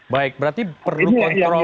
baik berarti perlu kontrol